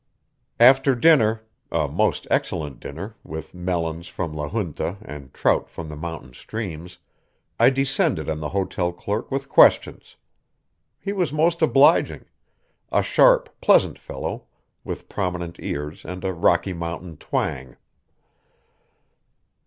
After dinner a most excellent dinner, with melons from La Junta and trout from the mountain streams I descended on the hotel clerk with questions. He was most obliging a sharp, pleasant fellow, with prominent ears and a Rocky Mountain twang.